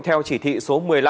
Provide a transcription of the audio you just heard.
theo chỉ thị số một mươi năm